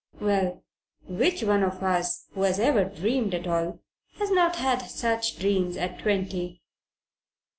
Well, which one of us who has ever dreamed at all has not had such dreams at twenty?